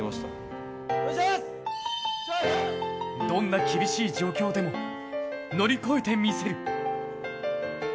どんな厳しい状況でも乗り越えてみせる。